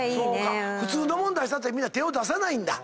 普通のもん出したってみんな手を出さないんだ。